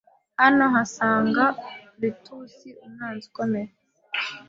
Hano hahasanga Plutusi umwanzi ukomeye